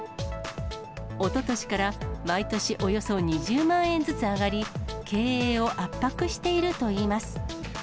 おととしから、毎年およそ２０万円ずつ上がり、経営を圧迫しているといいます。